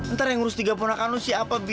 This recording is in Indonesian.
ntar yang ngurus tiga punakan lu siapa bi